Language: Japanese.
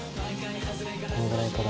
こんぐらいから。